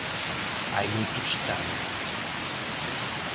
Hai moitos xitanos.